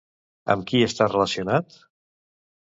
Amb qui està relacionat?